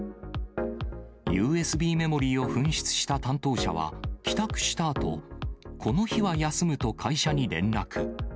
ＵＳＢメモリーを紛失した担当者は、帰宅したあと、この日は休むと会社に連絡。